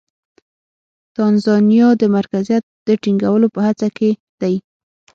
تانزانیا د مرکزیت د ټینګولو په هڅه کې دی.